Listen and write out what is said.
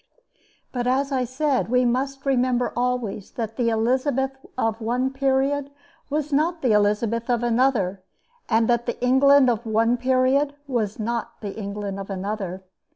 But, as I said, we must remember always that the Elizabeth of one period was not the Elizabeth of another, and that the England of one period was not the England of another.